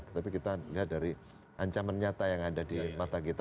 tetapi kita lihat dari ancaman nyata yang ada di mata kita